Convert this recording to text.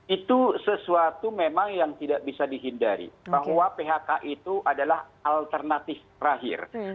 itu sesuatu memang yang tidak bisa dihindari bahwa phk itu adalah alternatif terakhir